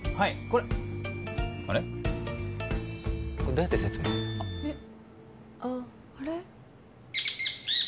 これどうやって説明あっあれ？